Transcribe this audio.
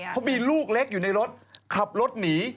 เขามีลูกเล็กอยู่ในรถขับรถหนี